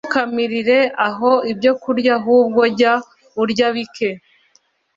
ntukamirire aho ibyokurya ahubwo jya urya bike